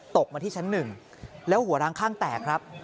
ตกมาที่ชั้น๑แล้วหัวร้างข้างแตกครับ